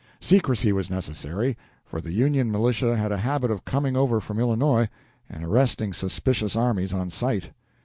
Secrecy was necessary, for the Union militia had a habit of coming over from Illinois and arresting suspicious armies on sight.